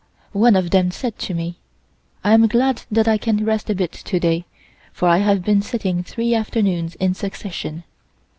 One of them said to me: "I am glad that I can rest a bit to day, for I have been sitting three afternoons in succession."